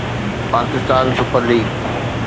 Pakistan super league